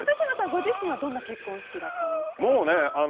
ご自身はどんな結婚式だったんですか？